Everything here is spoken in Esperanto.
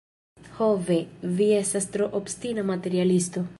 Ho ve, vi estas tro obstina materialisto.